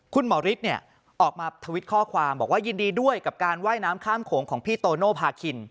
คุณหมอฤทธิ์เนี่ยออกมาทวิตข้อความบอกว่ายินดีด้วยกับการว่ายน้ำข้ามโขงของพี่โตโนภาคิน